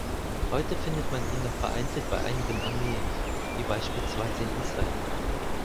Heute findet man ihn noch vereinzelt bei einigen Armeen, wie beispielsweise in Israel.